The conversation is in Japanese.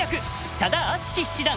佐田篤史七段。